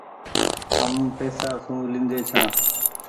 هم پئيسا سون لينڍي ڇآن ۔